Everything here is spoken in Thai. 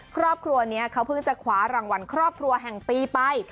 ครอบครัวนี้เขาเพิ่งจะคว้ารางวัลครอบครัวแห่งปีไป